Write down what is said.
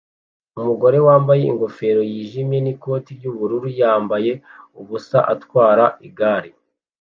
Umugore wambaye ingofero yijimye n'ikoti ry'ubururu ryambaye ubusa atwara igare